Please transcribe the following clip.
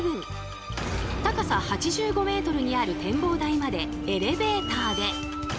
高さ８５ｍにある展望台までエレベーターで。